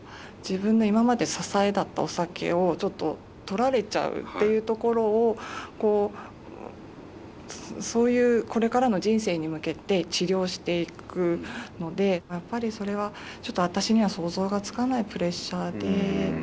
自分の今まで支えだったお酒をちょっと取られちゃうっていうところをこうそういうこれからの人生に向けて治療していくのでやっぱりそれはちょっと私には想像がつかないプレッシャーで。